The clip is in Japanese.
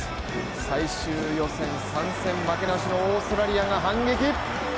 最終予選３戦負けなしのオーストラリアが反撃。